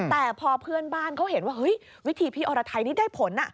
แต่พอเพื่อนบ้านเขาเห็นว่าเฮ้ยวิธีพี่อรไทยนี่ได้ผล